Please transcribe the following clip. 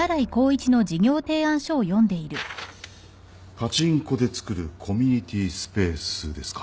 パチンコで作るコミュニティスペースですか。